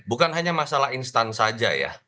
bukan hanya masalah instan saja ya